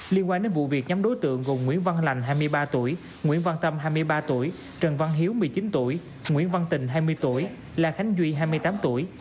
liên quan đến vụ việc nhóm đối tượng gồm nguyễn văn lành hai mươi ba tuổi nguyễn văn tâm hai mươi ba tuổi trần văn hiếu một mươi chín tuổi nguyễn văn tình hai mươi tuổi la khánh duy hai mươi tám tuổi